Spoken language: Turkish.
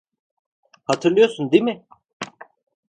Hatırlıyorsun değil mi?